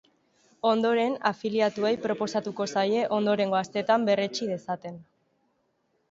Ondoren, afiliatuei proposatuko zaie, ondorengo asteetan berretsi dezaten.